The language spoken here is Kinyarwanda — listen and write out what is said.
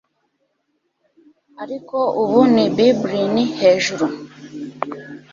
Ariko ubu ni bubblin 'hejuru